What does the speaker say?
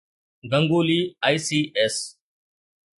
Ganguly I.C.S